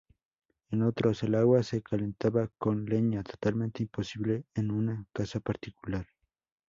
En otros, el agua se calentaba con leña, totalmente imposible en una casa particular.